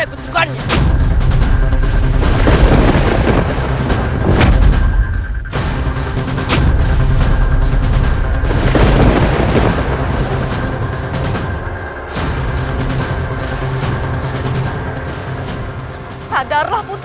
aku tidak takut